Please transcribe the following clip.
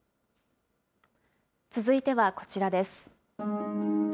続いてはこちらです。